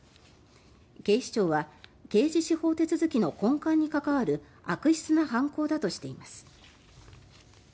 警視庁は刑事司法手続きの根幹に関わる悪質な犯行だとしています。